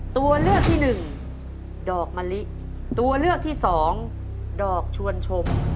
ตัวเลือกที่หนึ่งดอกมะลิตัวเลือกที่สองดอกชวนชม